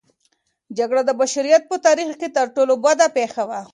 جګړه د بشریت په تاریخ کې تر ټولو بده پېښه ده.